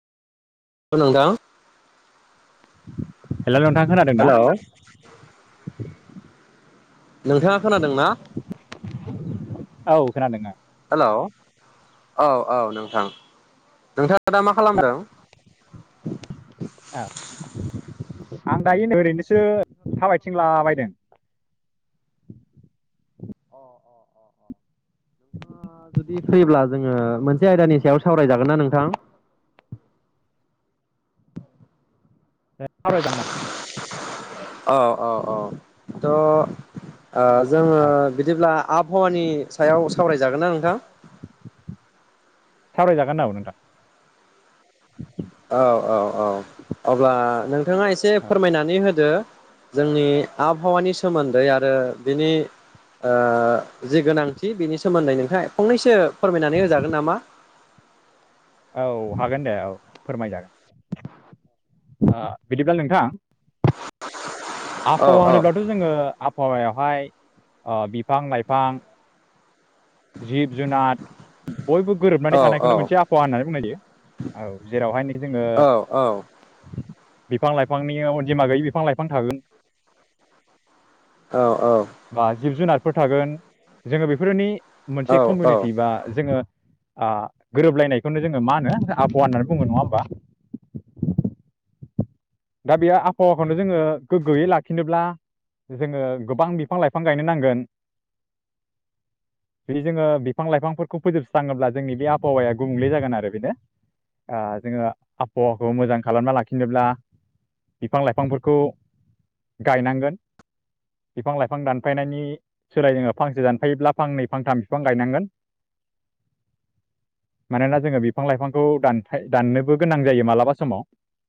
नोंथां हेल नोंथां खोनादोंना नोंथाङा खोनादों ना औ खोनादों आं हेल' औ औ नोंथां नोंथाङा दा मा खालामदों औ आं दायोनो नै ओरैनोसो नोंथाङा दा मा खालामबाय थाबायथिंला दं? बायदों [inaudible] अ अ अ अ नोंथांङा जुदि फ्रिब्ला जोङो मोनसे आयदानि सायाव सावरायजागोन ना नोंथां [unintelligible] अ अ अ थ' ओ जोङो औ बिदिब्ला आबहावानि सायाव सावरायजागोन ना नोंथां सावरायजागोन औ नोंथां अ अब्ला नों थाङा एसे फोरमायनानै होदो जोंनि आबहावानि सोमोन्दै आरो बिनि ओ जि गोनांथि बिनि सोमोन्दै नों फाय फंनैसो फोरमायनानै होजागोन नामा औ हागोन दे औ फोरमायजागोन आ बिदिब्ला नोंथां औ आबहावा औ होनोब्लाथ जोङो आबहावायावहाय ओ बिफां लाइफां जिब जुनार बयबो गोरोबनानै औ औ थानायखौनो मोनसे आबहावा होननानै बुंनायजायो औ जेरावहाय नि जोङो औ बिफां लाइफांनि अनजिमा गैयि बिफां लाइफां थागोन औ औ बा जिब जुनार फोर थागोन जोङो बेफोरनि मोनसे औ औ कमिउनिटि बा जोङो आ गोरोबलायनायखौनो जोङो मा होनो आबहावा होननानै बुङो नङा होमबा दा बेयो आबहावाखौनो जोङो गोगोयै लाखिनोब्ला जोङो गोबां बिफां लाइफां गायनो नांगोन बिदि जोङो बिफां लाइफांफोरखौ फोजोबस्राङोब्ला जोंनि बे आबहावाया गुबुंले जागोन आरो बेनो ओ जोङो आबहावाखौ मोजां खालामना लाखिनोब्ला बिफां लाइफांफोरखौ गायनांगोन बिफां लाइफां दानफायनायनि सोलाय जोङो फांसे दानफायोब्ला फांनै फांथाम बिफां गायनांगोन मानोना जोङो बिफां लाइफांखौ दानफाय दाननोबो गोनां जायो मालाबा समाव